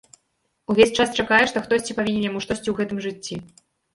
Увесь час чакае, што хтосьці павінен яму штосьці ў гэтым жыцці.